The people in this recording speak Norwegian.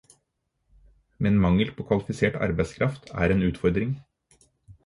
Men mangel på kvalifisert arbeidskraft er en utfordring.